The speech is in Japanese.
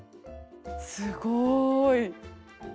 すごい！